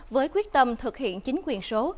với quyết tâm thực hiện chính quyền số